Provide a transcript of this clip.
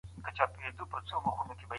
دی تر نورو پوهانو د دې څانګې پلار بلل کيږي.